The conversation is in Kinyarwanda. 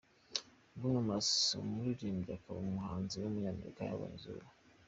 Bruno Mars, umuririmbyi akaba n’umuhanzi w’umunyamerika yabonye izuba.